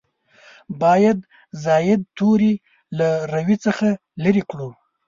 باید زاید توري له روي څخه لرې کړو.